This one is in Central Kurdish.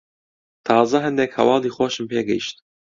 تازە هەندێک هەواڵی خۆشم پێ گەیشت.